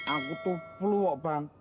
aku tuh fluo bang